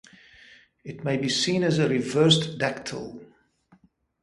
It may be seen as a reversed dactyl.